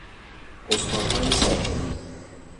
استانهای ساحلی